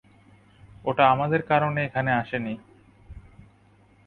ওটা আমাদের কারণে এখানে আসেনি।